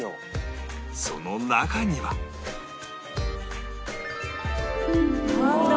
その中にはなんだ？